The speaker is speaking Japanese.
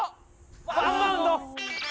ワンバウンド！